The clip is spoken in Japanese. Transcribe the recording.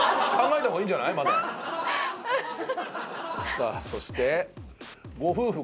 さあそしてご夫婦がね